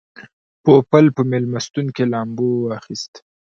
پوپل په مېلمستون کې لامبو واخیسته.